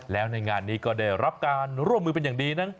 แล้วในงานนี้ก็ได้รับการร่วมมือเป็นอย่างดีนะ